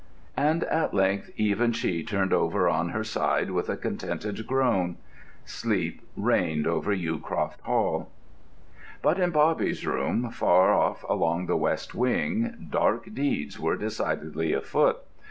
And at length even she turned over on her side with a contented groan. Sleep reigned over Yewcroft Hall. But in Bobby's room, far off along the west wing, dark deeds were decidedly afoot.